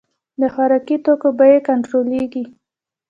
د خوراکي توکو بیې کنټرولیږي